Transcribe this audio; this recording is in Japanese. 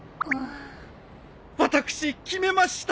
私決めました！